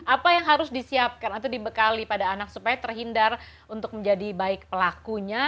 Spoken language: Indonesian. apa yang harus disiapkan atau dibekali pada anak supaya terhindar untuk menjadi baik pelakunya